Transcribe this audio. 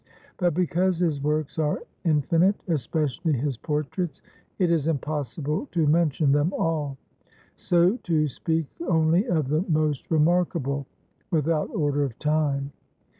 But because his works are infinite, especially his por traits, it is impossible to mention them all. So to speak only of the most remarkable without order of time.